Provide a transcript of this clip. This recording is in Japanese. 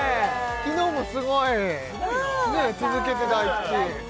昨日もすごい続けて大吉